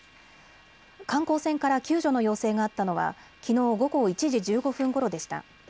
観光船から救助の要請があったのはきのう午後１時１５分ごろでした。